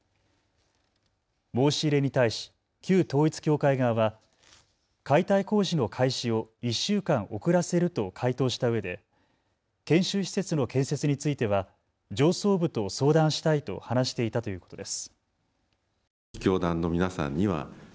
申し入れに対し旧統一教会側は解体工事の開始を１週間遅らせると回答したうえで研修施設の建設については上層部と相談したいと話していたということです。